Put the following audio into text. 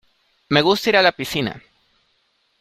Me gusta ir a la piscina.